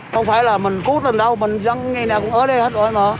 không phải là mình cố tình đâu mình dăng ngày nào cũng ở đây hết rồi mà